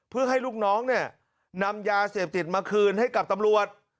เพื่อให้ลูกน้องเนี่ยนำยาเสพติดมาคืนให้กับตำรวจ